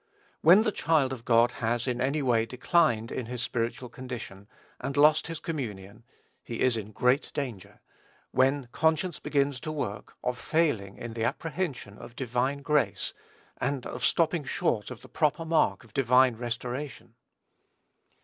When the child of God has, in any way, declined in his spiritual condition, and lost his communion, he is in great danger, when conscience begins to work, of failing in the apprehension of divine grace, and of stopping short of the proper mark of divine restoration.